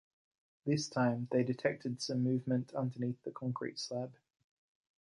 This time, they detected some movement underneath the concrete slab.